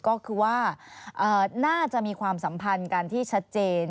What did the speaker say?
ก็คือว่าน่าจะมีความสัมพันธ์กันที่ชัดเจน